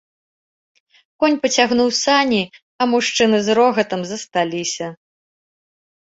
Конь пацягнуў сані, а мужчыны з рогатам засталіся.